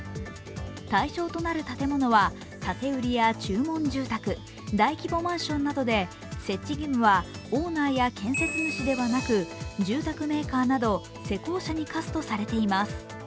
対象となる建物は建て売りや注文住宅、大規模マンションなどで設置義務はオーナーや建築主ではなく住宅メーカーなど施工者に課すとされています。